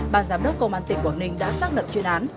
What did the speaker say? ban giám đốc công an tỉnh quảng ninh đã xác lập chuyên án